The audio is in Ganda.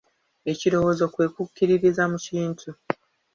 Ekirowoozo kwe kukkiririza mu kintu.